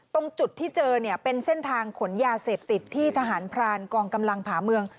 ตรงจุดที่เจอเนี่ยเป็นเส้นทางขนยาเสพติดที่ทหารพรานกองกำลังผ่าเมือง